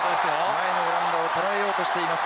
前のオランダをとらえようとしています。